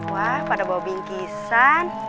wah pada bawa bingkisan